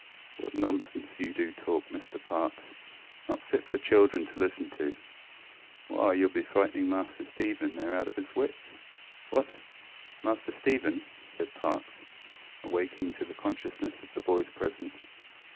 ŌĆØ ŌĆ£What nonsense you do talk, Mr ParkesŌĆönot fit for children to listen to! Why, youŌĆÖll be frightening Master Stephen there out of his wits. ŌĆØ ŌĆ£What! Master Stephen? ŌĆØ said Parkes, awaking to the consciousness of the boyŌĆÖs presence.